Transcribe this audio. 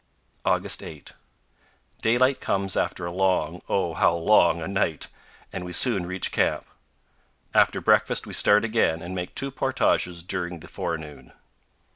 August 8. Daylight comes after a long, oh, how long! a night, and we soon reach camp. After breakfast we start again, and make two portages during the forenoon.